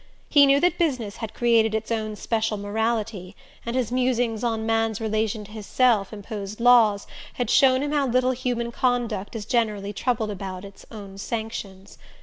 He knew that "business" has created its own special morality; and his musings on man's relation to his self imposed laws had shown him how little human conduct is generally troubled about its own sanctions.